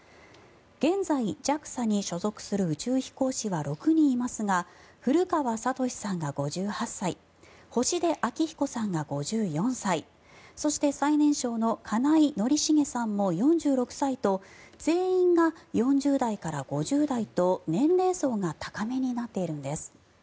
現在、ＪＡＸＡに所属する宇宙飛行士は６人いますが古川聡さんが５８歳星出彰彦さんが５４歳そして、最年少の金井宣茂さんも４６歳と全員が４０代から５０代と年齢層が高めになっているんです。